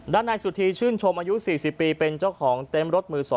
ด้านในสุทธิชื่นชมอายุ๔๐ปีเป็นเจ้าของเต็มรถมือ๒